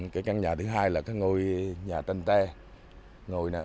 cái căn nhà thứ hai là cái ngôi nhà trên te